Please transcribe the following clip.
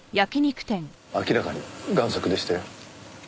明らかに贋作でしたよ。